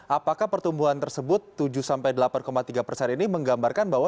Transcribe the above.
apakah pertumbuhan tersebut tujuh delapan tiga ini menggambarkan bahwa